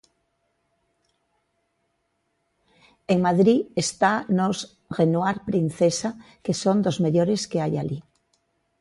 En Madrid está nos Renoir Princesa, que son dos mellores que hai alí.